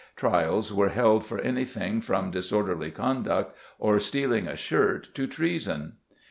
Trials were held for anything from disorderly conduct or stealing a shirt to treason.